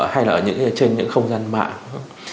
hay là trên những không gian mạng